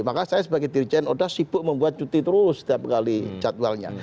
maka saya sebagai diri saya sudah sibuk membuat cuti terus setiap kali jadwalnya